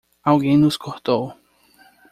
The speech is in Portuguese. Alguém nos cortou!